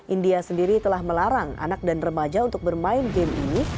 india sendiri telah melarang anak dan remaja untuk bermain game ini